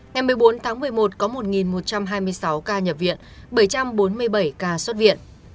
ngày một mươi bốn tháng một mươi một có một một trăm hai mươi sáu ca nhập viện bảy trăm bốn mươi bảy ca xuất viện